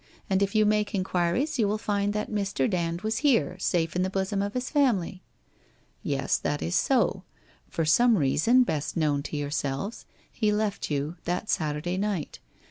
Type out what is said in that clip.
And if you make enquiries, you will find that Mr. Dand was here, safe in the bosom of his family/ ' Yes, that is so. For some reason best known to your selves he left you that Saturday night.